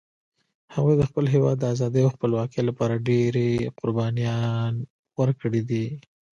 هغوی د خپل هیواد د آزادۍ او خپلواکۍ لپاره ډېري قربانيان ورکړي دي